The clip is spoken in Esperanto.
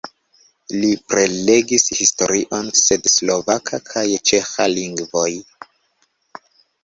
Li prelegis historion de slovaka kaj ĉeĥa lingvoj.